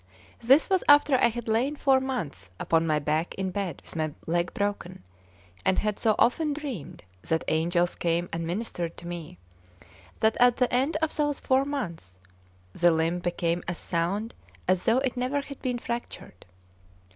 This was after I had lain four months upon my back in bed with my leg broken, and had so often dreamed that angels came and ministered to me, that at the end of those four months the limb became as sound as though it never had been fractured.